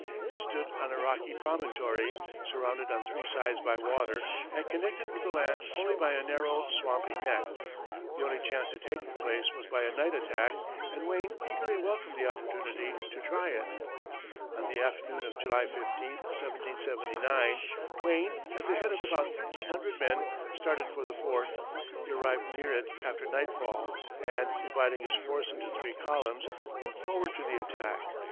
It stood on a rocky promontory, surrounded on three sides by water and connected with the land only by a narrow, swampy neck. The only chance to take the place was by a night attack, and Wayne eagerly welcomed the opportunity to try it. On the afternoon of July 15, 1779, Wayne, at the head of about thirteen hundred men, started for the fort. He arrived near it after nightfall, and dividing his force into three columns, moved forward to the attack.